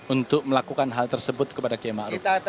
untuk melakukan hal tersebut kepada kmaru